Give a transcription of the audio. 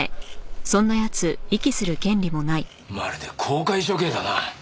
まるで公開処刑だな。